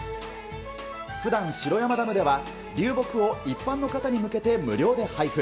ふだん、城山ダムでは、流木を一般の方に向けて無料で配布。